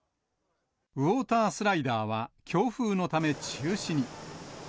ウォータースライダーは、強風のため中止に。